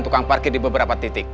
tukang parkir di beberapa titik